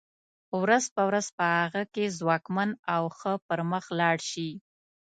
ورځ په ورځ په هغه کې ځواکمن او ښه پرمخ لاړ شي.